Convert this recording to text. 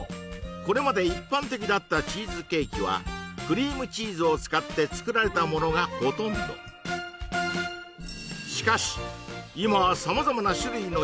これまで一般的だったチーズケーキはクリームチーズを使って作られたものがほとんどしかし！